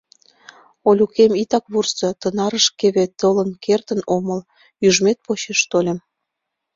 — Олюкем, итак вурсо, тынарышкеве толын кертын омыл... ӱжмет почеш тольым...